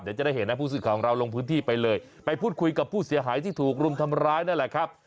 เดี๋ยวจะได้เห็นนะผู้สื่อข่าวของเราลงพื้นที่ไปเลยไปพูดคุยกับผู้เสียหายที่ถูกรุมทำร้ายนั่นแหละครับ